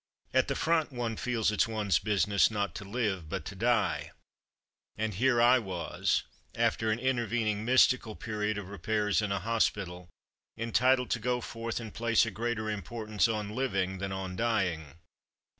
At the front one feels it's one's business not to live, but to die, and here I was, after an intervening mystical period of repairs in a hospital, entitled to go forth and place a greater im Begins in Hospital 5 portance on living than on dying.